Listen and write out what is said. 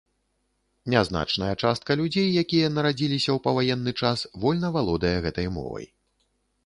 Нязначная частка людзей, якія нарадзіліся ў паваенны час, вольна валодае гэтай мовай.